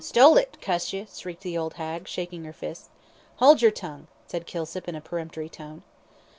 "Stole it, cuss ye," shrieked the old hag, shaking her fist. "Hold your tongue," said Kilsip, in a peremptory tone.